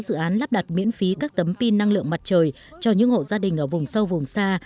năm hai nghìn sáu thái lan lắp đặt miễn phí các tấm pin năng lượng mặt trời cho những hộ gia đình ở vùng sâu vùng xa